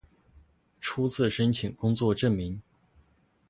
初次申请工作证明